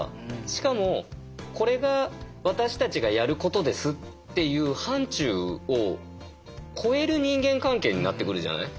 しかもこれが私たちがやることですっていう範ちゅうを超える人間関係になってくるじゃない？